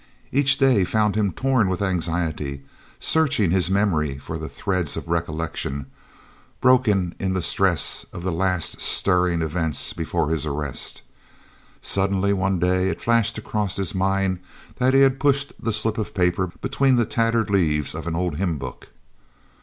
Each day found him torn with anxiety, searching his memory for the threads of recollection, broken in the stress of the last stirring events before his arrest. Suddenly one day it flashed across his mind that he had pushed the slip of paper between the tattered leaves of an old hymn book.